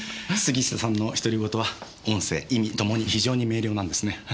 杉下さんの独り言は音声意味ともに非常に明瞭なんですね。